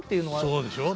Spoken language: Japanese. そうでしょ。